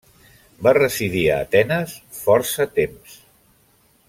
Va residir a Atenes força temps.